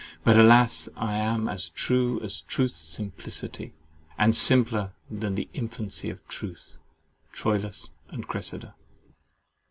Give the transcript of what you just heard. But, alas, I am as true as truth's simplicity, And simpler than the infancy of truth." TROILUS AND CRESSIDA.